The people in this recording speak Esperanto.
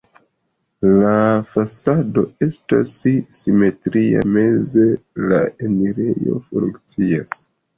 La fasado estas simetria, meze la enirejo funkcias.